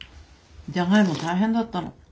じゃがいも大変だったの。